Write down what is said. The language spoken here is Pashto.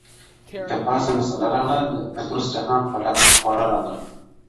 o د پاسه مسله راغله، په درست جهان خوره راغله!